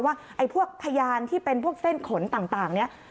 ว่าพยานที่เป็นเส้นขนต่างนี้